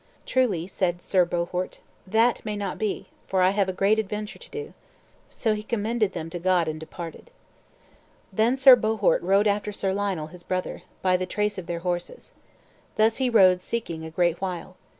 "Truly," said Sir Bohort, "that may not be; for I have a great adventure to do." So he commended them to God and departed. Then Sir Bohort rode after Sir Lionel, his brother, by the trace of their horses. Thus he rode seeking, a great while.